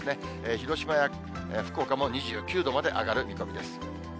広島や福岡も２９度まで上がる見込みです。